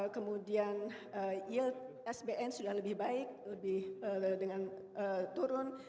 kemudian yield sbn sudah lebih baik lebih dengan turun